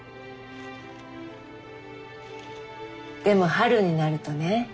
でも春になるとね